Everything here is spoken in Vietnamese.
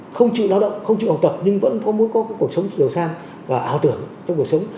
không chịu lao động không chịu học tập nhưng vẫn có muốn có cuộc sống giàu sang và ảo tưởng trong cuộc sống